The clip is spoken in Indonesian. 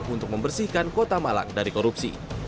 untuk membersihkan kota malang dari korupsi